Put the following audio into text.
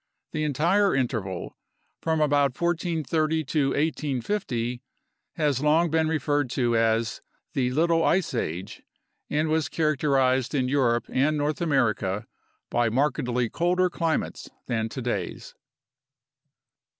The entire interval, from about 1430 to 1850, has long been referred to as the Little Ice Age and was characterized in Europe and North America by markedly colder climates than today's.